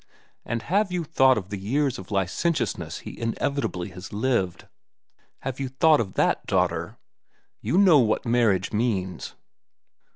And have you thought of the years of licentiousness he inevitably has lived? Have you thought of that, daughter? You know what marriage means."